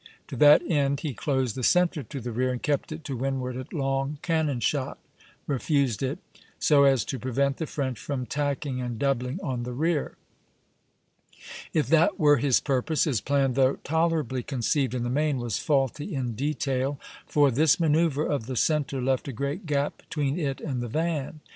To that end he closed the centre to the rear and kept it to windward at long cannon shot (refused it), so as to prevent the French from tacking and doubling on the rear. If that were his purpose, his plan, though tolerably conceived in the main, was faulty in detail, for this manoeuvre of the centre left a great gap between it and the van.